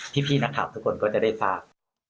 ที่พี่นักฐานทุกคนก็จะได้ฟัง